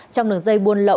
trong đường dây buôn lậu